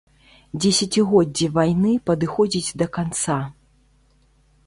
Дзесяцігоддзе вайны падыходзіць да канца.